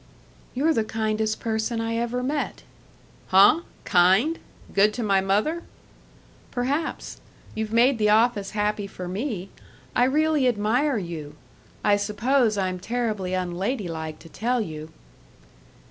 "You're the kindest person I ever met." "Huh? Kind? Good to my mother?" "Perhaps. You've made the office happy for me. I really admire you.... I s'pose I'm terribly unladylike to tell you."